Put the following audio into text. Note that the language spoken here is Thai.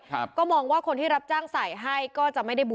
ครับก็มองว่าคนที่รับจ้างใส่ให้ก็จะไม่ได้บุญ